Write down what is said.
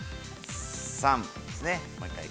３ですね。